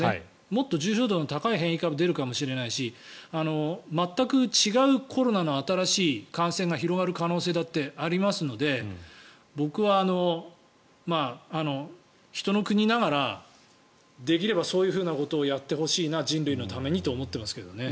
もっと重症度の高い変異株が出るかもしれないし全く違うコロナの新しい感染が広がる可能性だってありますので僕は人の国ながら、できればそういうことをやってほしいな人類のためにと思っていますけどね。